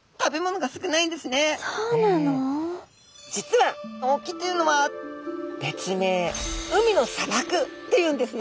実は沖というのは別名「海の砂漠」っていうんですね。